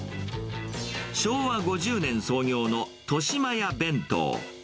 昭和５０年創業の、としまや弁当。